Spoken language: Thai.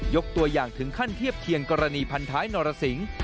ยกตัวอย่างถึงขั้นเทียบเคียงกรณีพันท้ายนรสิง